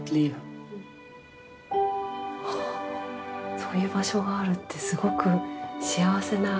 そういう場所があるってすごく幸せなことですね。